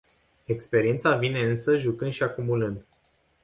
Experiența vine însă jucând și acumulând.